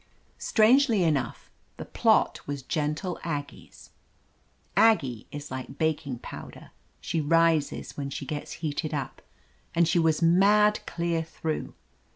Strangely enough, the plot was gentle Ag gie's. Aggie is like baking powder — she rises when she gets heated up. And she was mad clear through.